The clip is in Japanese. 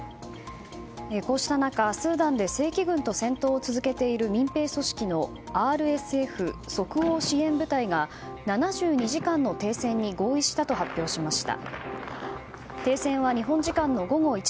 こうした中、スーダンで正規軍と戦闘を続けている民兵組織のＲＳＦ・即応支援部隊が７２時間の停戦に合意したと発表しました。